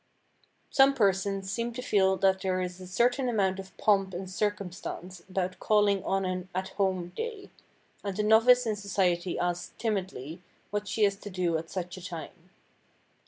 Some persons seem to feel that there is a certain amount of pomp and circumstance about calling on an "At Home" day, and the novice in society asks timidly what she is to do at such a time.